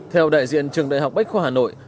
theo đại diện trường đại học bách khoa hà nội